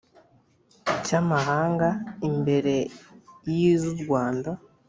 cy amahanga imbere y iz u rwanda